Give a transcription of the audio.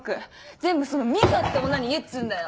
全部その実花って女に言えっつんだよ！